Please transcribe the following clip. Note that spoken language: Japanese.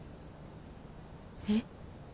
えっ？